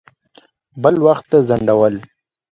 بل وخت ته ځنډول.